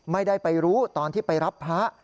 ไม่ได้ไปรู้ตอนที่ไปรับพระ